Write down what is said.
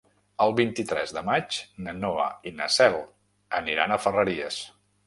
El vint-i-tres de maig na Noa i na Cel aniran a Ferreries.